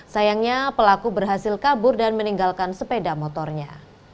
sayangnya pelaku berhasil kabur dan meninggalkan sepeda motornya